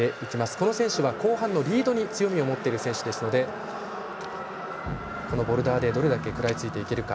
この選手は後半のリードに強みを持っている選手ですのでこのボルダーでどれだけくらいついていけるか。